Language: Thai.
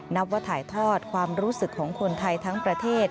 นับว่าถ่ายทอดความรู้สึกของคนไทยทั้งประเทศ